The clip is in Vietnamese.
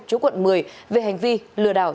chú quận một mươi về hành vi lừa đảo